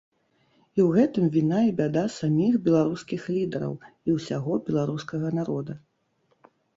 І ў гэтым віна і бяда саміх беларускіх лідараў і ўсяго беларускага народа.